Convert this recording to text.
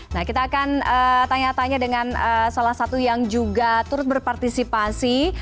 nah kita akan tanya tanya dengan salah satu yang juga turut berpartisipasi